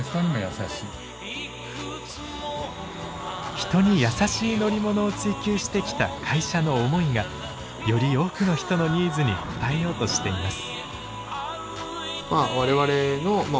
人に優しい乗り物を追求してきた会社の思いがより多くの人のニーズに応えようとしています。